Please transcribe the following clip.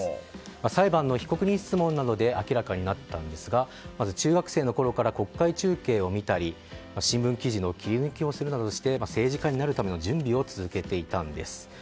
裁判の被告人質問などで明らかになったんですが中学生のころから国会中継を見たり新聞記事の切り抜きなどをして政治家になるための準備を続けていたんです。